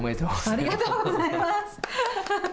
ありがとうございます。